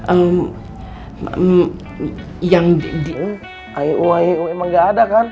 ehm yang di di ae u ae u emang gak ada kan